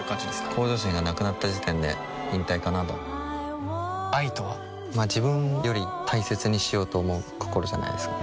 向上心がなくなった時点で引退かなとは愛とはま自分より大切にしようと思う心じゃないですかね